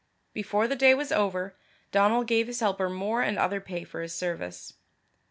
Before the day was over, Donal gave his helper more and other pay for his service.